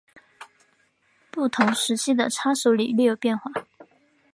不同时期的叉手礼略有变化。